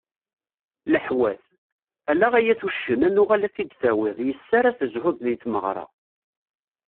Leḥwat: Ala ay uccen ad nuγal ad t-id-tawiḍ yis-s ara tezhud di tmeγra.